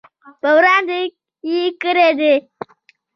په وړاندې یې کړي دي.